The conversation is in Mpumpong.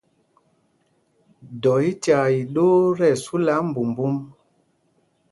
Dɔ í tyaa iɗoo tí ɛsu ɛ ɓáámbumbūm.